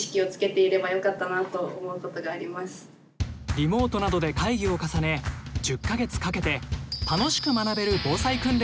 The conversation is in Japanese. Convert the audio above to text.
リモートなどで会議を重ね１０か月かけて楽しく学べる防災訓練を考えました。